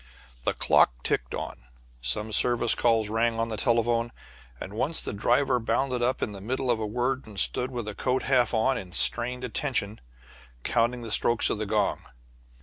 The clock ticked on, some service calls rang on the telephone, and once the driver bounded up in the middle of a word and stood with coat half off, in strained attention, counting the strokes of the gong.